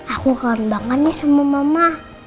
aku kenal banget nih sama mama